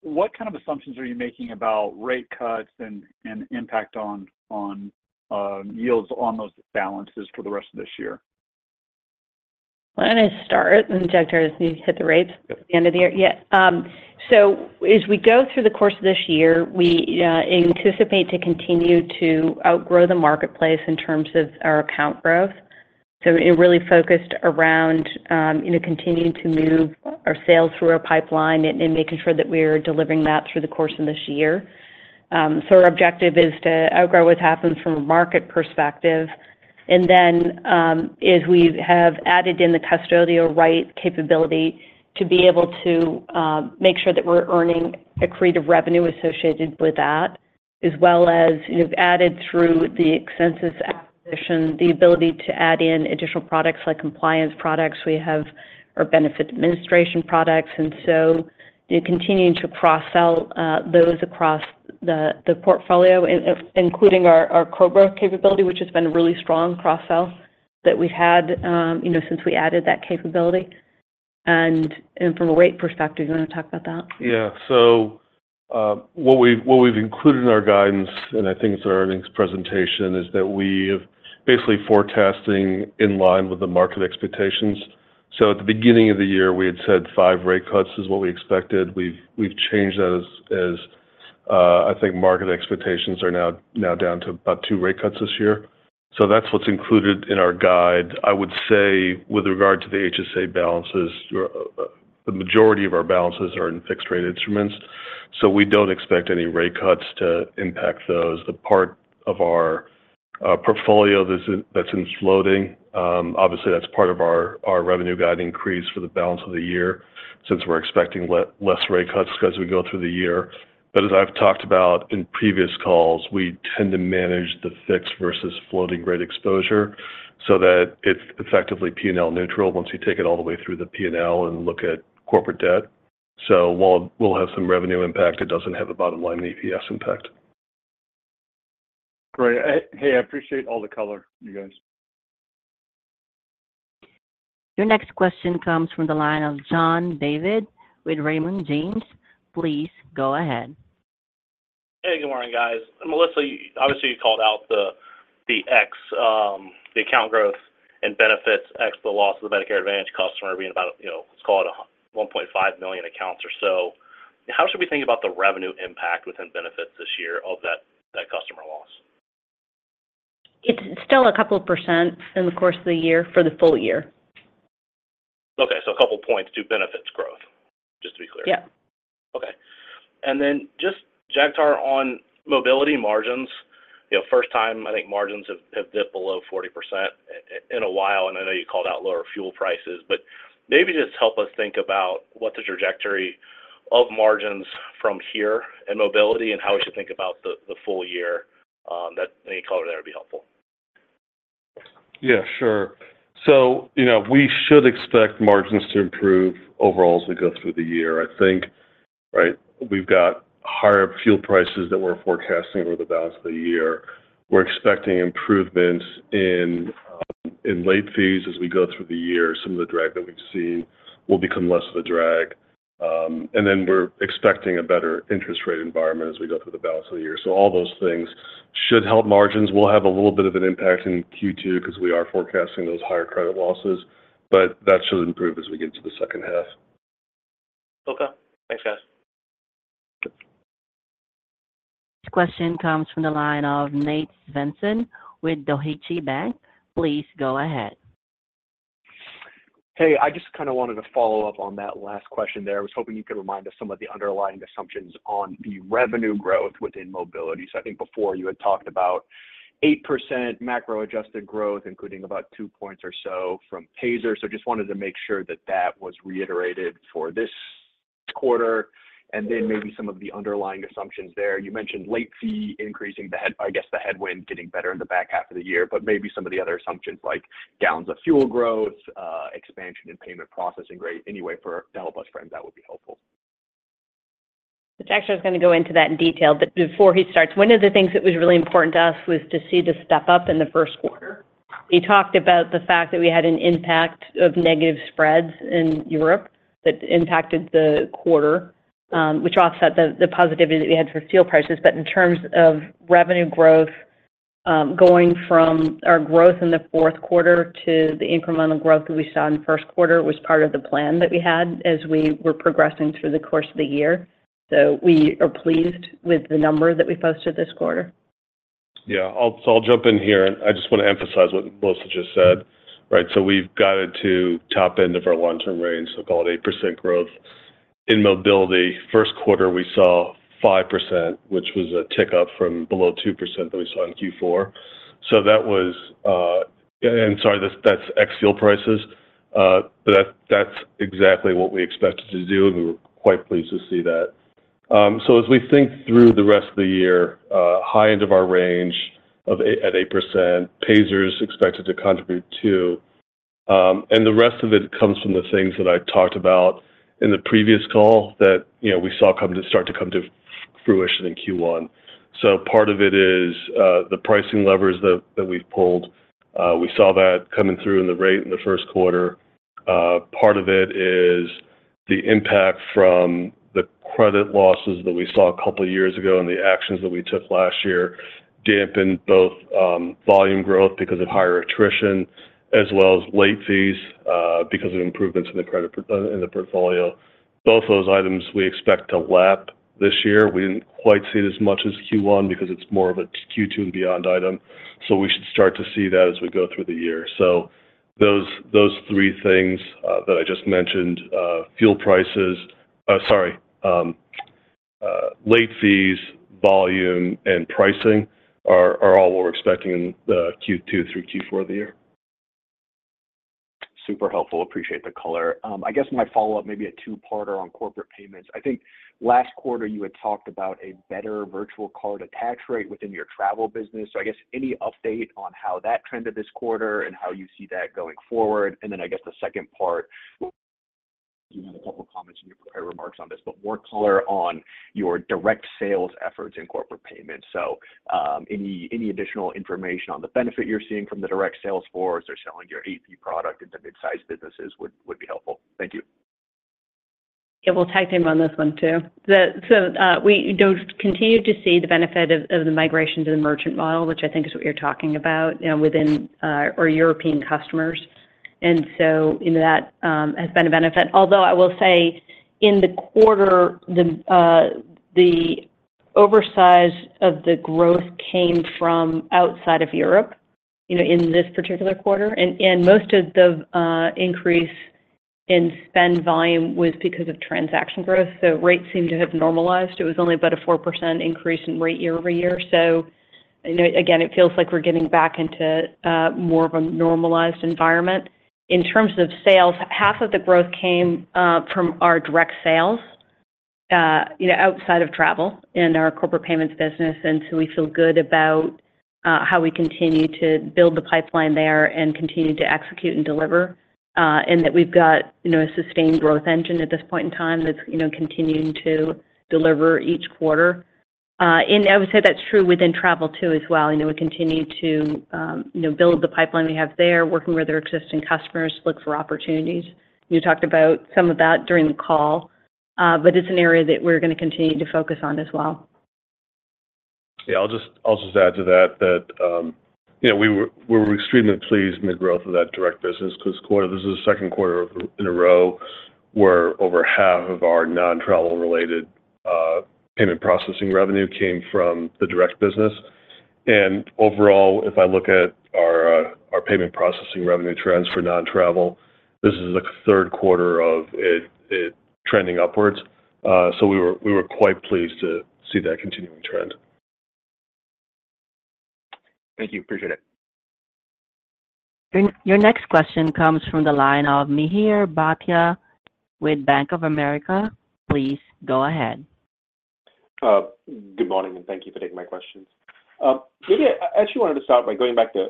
S8: what kind of assumptions are you making about rate cuts and impact on yields on those balances for the rest of this year?
S3: Well, I'm gonna start, and Jagtar, as you hit the rates at the end of the year. Yeah, so as we go through the course of this year, we anticipate to continue to outgrow the marketplace in terms of our account growth. So it really focused around, you know, continuing to move our sales through our pipeline and making sure that we're delivering that through the course of this year. So our objective is to outgrow what's happened from a market perspective, and then, as we have added in the custodial investment capability to be able to make sure that we're earning accretive revenue associated with that, as well as you've added through the Ascensus acquisition, the ability to add in additional products like compliance products we have or benefit administration products. And so you're continuing to cross-sell those across the portfolio, including our COBRA capability, which has been a really strong cross-sell that we've had, you know, since we added that capability. And from a rate perspective, do you want to talk about that?
S4: Yeah. So, what we've, what we've included in our guidance, and I think it's our earnings presentation, is that we have basically forecasting in line with the market expectations. So at the beginning of the year, we had said 5 rate cuts is what we expected. We've, we've changed those as, I think market expectations are now, now down to about 2 rate cuts this year. So that's what's included in our guide. I would say, with regard to the HSA balances, the majority of our balances are in fixed rate instruments, so we don't expect any rate cuts to impact those. The part of our, our portfolio that's, that's in floating, obviously, that's part of our, our revenue guide increase for the balance of the year since we're expecting less rate cuts as we go through the year. As I've talked about in previous calls, we tend to manage the fixed versus floating rate exposure so that it's effectively P&L neutral once you take it all the way through the P&L and look at corporate debt. While we'll have some revenue impact, it doesn't have a bottom line EPS impact.
S8: Great. Hey, I appreciate all the color, you guys.
S1: Your next question comes from the line of John Davis with Raymond James. Please go ahead.
S9: Hey, good morning, guys. Melissa, you obviously called out the account growth and benefits, ex the loss of the Medicare Advantage customer being about, you know, let's call it 1.5 million accounts or so. How should we think about the revenue impact within benefits this year of that customer loss?
S3: It's still a couple of % in the course of the year for the full year.
S9: Okay, so a couple of points to benefits growth, just to be clear?
S3: z
S9: Okay. Then just, Jagtar, on mobility margins, you know, first time, I think margins have dipped below 40% in a while, and I know you called out lower fuel prices. But maybe just help us think about what the trajectory of margins from here in mobility and how we should think about the full year, that any color there would be helpful?
S4: Yeah, sure. We should expect margins to improve overall as we go through the year. We've got higher fuel prices that we're forecasting over the balance of the year. We're expecting improvements in late fees as we go through the year. Some of the drag that we've seen will become less of a drag. And then we're expecting a better interest rate environment as we go through the balance of the year. So all those things should help margins. We'll have a little bit of an impact in Q2 because we are forecasting those higher credit losses, but that should improve as we get to the second half.
S9: Okay. Thanks, guys.
S1: This question comes from the line of Nate Svensson with Deutsche Bank. Please go ahead.
S10: Hey, I just kinda wanted to follow up on that last question there. I was hoping you could remind us some of the underlying assumptions on the revenue growth within mobility. So I think before you had talked about 8% macro-adjusted growth, including about two points or so from Payzer. So just wanted to make sure that that was reiterated for this quarter, and then maybe some of the underlying assumptions there. You mentioned late fee increasing the headwind, I guess, getting better in the back half of the year, but maybe some of the other assumptions like gallons of fuel growth, expansion in payment processing rate. Any way to help us frame that would be helpful.
S3: Jagtar is going to go into that in detail, but before he starts, one of the things that was really important to us was to see the step up in the first quarter. He talked about the fact that we had an impact of negative spreads in Europe that impacted the quarter, which offset the positivity that we had for fuel prices. But in terms of revenue growth, going from our growth in the fourth quarter to the incremental growth that we saw in the first quarter, was part of the plan that we had as we were progressing through the course of the year. So we are pleased with the number that we posted this quarter.
S4: Yeah. So I'll jump in here, and I just want to emphasize what Melissa just said, right? So we've guided to top end of our long-term range, so call it 8% growth. In mobility, first quarter, we saw 5%, which was a tick up from below 2% that we saw in Q4. So that was, and sorry, that's, that's ex-fuel prices, but that, that's exactly what we expected to do, and we were quite pleased to see that. So as we think through the rest of the year, high end of our range at 8%, Payzer is expected to contribute too. And the rest of it comes from the things that I talked about in the previous call that, you know, we saw start to come to fruition in Q1. So part of it is the pricing levers that we've pulled. We saw that coming through in the rate in the first quarter. Part of it is the impact from the credit losses that we saw a couple of years ago and the actions that we took last year, dampen both volume growth because of higher attrition as well as late fees because of improvements in the credit portfolio. Both those items we expect to lap this year. We didn't quite see it as much as Q1 because it's more of a Q2 and beyond item, so we should start to see that as we go through the year. So those three things that I just mentioned, fuel prices, sorry, late fees, volume, and pricing are all we're expecting in the Q2 through Q4 of the year.
S10: Super helpful. Appreciate the color. I guess my follow-up may be a two-parter on corporate payments. I think last quarter you had talked about a better virtual card attach rate within your travel business. So I guess any update on how that trended this quarter and how you see that going forward? And then I guess the second part, you had a couple comments in your prepared remarks on this, but more color on your direct sales efforts in corporate payments. So, any additional information on the benefit you're seeing from the direct sales force or selling your AP product into mid-sized businesses would be helpful. Thank you.
S3: Yeah, we'll tag team on this one, too. So, we do continue to see the benefit of the migration to the merchant model, which I think is what you're talking about, you know, within our European customers. And so, you know, that has been a benefit. Although I will say in the quarter, the oversize of the growth came from outside of Europe, you know, in this particular quarter. And most of the increase in spend volume was because of transaction growth. So rates seem to have normalized. It was only about a 4% increase in rate year-over-year. So, you know, again, it feels like we're getting back into more of a normalized environment. In terms of sales, half of the growth came from our direct sales, you know, outside of travel in our corporate payments business, and so we feel good about how we continue to build the pipeline there and continue to execute and deliver. And that we've got, you know, a sustained growth engine at this point in time that's, you know, continuing to deliver each quarter. And I would say that's true within travel, too, as well. You know, we continue to, you know, build the pipeline we have there, working with our existing customers to look for opportunities. You talked about some of that during the call, but it's an area that we're going to continue to focus on as well.
S4: Yeah, I'll just, I'll just add to that, that, you know, we were, we were extremely pleased in the growth of that direct business this quarter. This is the second quarter in a row where over half of our non-travel related payment processing revenue came from the direct business. And overall, if I look at our, our payment processing revenue trends for non-travel, this is the third quarter of it, it trending upwards. So we were, we were quite pleased to see that continuing trend.
S10: Thank you. Appreciate it.
S1: Your next question comes from the line of Mihir Bhatia with Bank of America. Please go ahead.
S11: Good morning, and thank you for taking my questions. Melissa, I actually wanted to start by going back to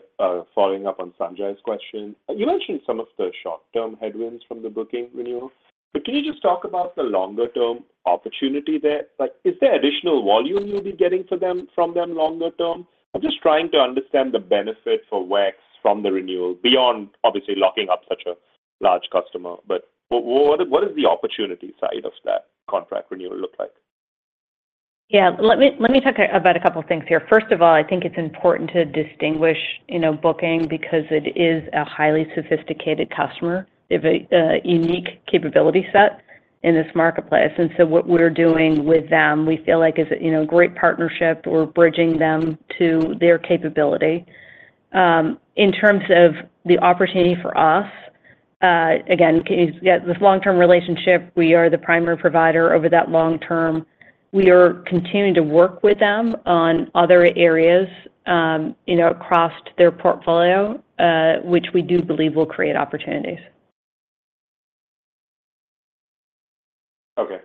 S11: following up on Sanjay's question. You mentioned some of the short-term headwinds from the Booking renewal, but can you just talk about the longer-term opportunity there? Like, is there additional volume you'll be getting for them, from them longer term? I'm just trying to understand the benefit for WEX from the renewal, beyond obviously locking up such a large customer. But what is the opportunity side of that contract renewal look like?
S3: Yeah. Let me, let me talk about a couple things here. First of all, I think it's important to distinguish, you know, Booking because it is a highly sophisticated customer. They have a, a unique capability set in this marketplace, and so what we're doing with them, we feel like is a, you know, great partnership. We're bridging them to their capability. In terms of the opportunity for us, again, yeah, this long-term relationship, we are the primary provider over that long term. We are continuing to work with them on other areas, you know, across their portfolio, which we do believe will create opportunities.
S11: Okay.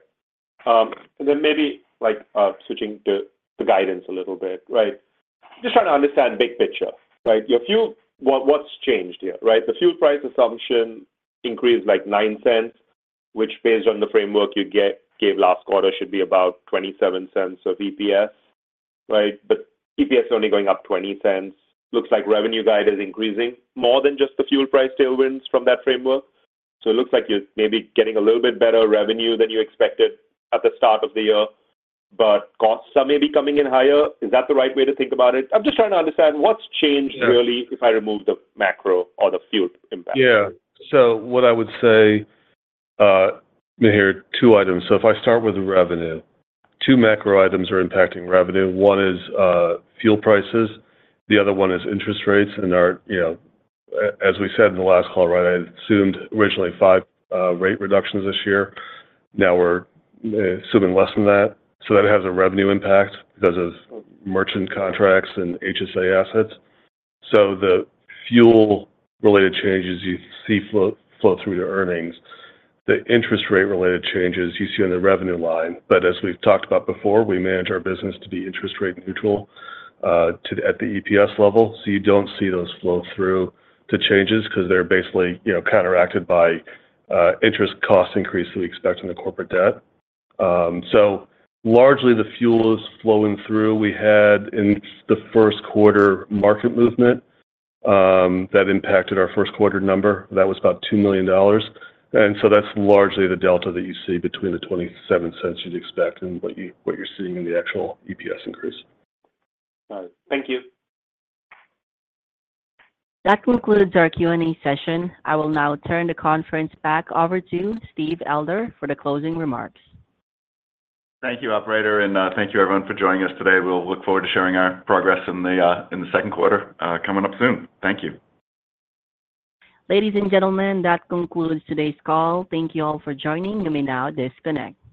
S11: And then maybe, like, switching to the guidance a little bit, right? Just trying to understand big picture, right? Your fuel—what, what's changed here, right? The fuel price assumption increased, like, $0.09, which based on the framework you gave last quarter, should be about $0.27 of EPS, right? But EPS is only going up $0.20. Looks like revenue guide is increasing more than just the fuel price tailwinds from that framework. So it looks like you're maybe getting a little bit better revenue than you expected at the start of the year, but costs are maybe coming in higher. Is that the right way to think about it? I'm just trying to understand what's changed- Sure, really, if I remove the macro or the fuel impact?
S4: Yeah. So what I would say, Mihir, two items. So if I start with the revenue, two macro items are impacting revenue. One is, fuel prices, the other one is interest rates. And our, you know, as we said in the last call, right, I assumed originally 5, rate reductions this year. Now we're, assuming less than that. So that has a revenue impact because of merchant contracts and HSA assets. So the fuel-related changes you see flow, flow through to earnings. The interest rate-related changes you see on the revenue line. But as we've talked about before, we manage our business to be interest rate neutral, to at the EPS level. So you don't see those flow through to changes because they're basically, you know, counteracted by, interest cost increase that we expect in the corporate debt. So largely, the fuel is flowing through. We had, in the first quarter, market movement that impacted our first quarter number. That was about $2 million, and so that's largely the delta that you see between the $0.27 you'd expect and what you're seeing in the actual EPS increase.
S11: All right. Thank you.
S1: That concludes our Q&A session. I will now turn the conference back over to Steve Elder for the closing remarks.
S2: Thank you, operator, and thank you everyone for joining us today. We'll look forward to sharing our progress in the second quarter coming up soon. Thank you.
S1: Ladies and gentlemen, that concludes today's call. Thank you all for joining. You may now disconnect.